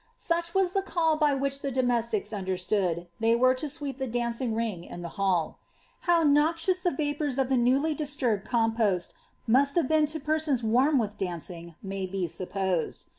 Such was the call by which the domestics understood they were to sweep the dancing ring in the hall. How noxious the vapours of the newly disturbed compost must have been to persons warm with dancing, may be supposed.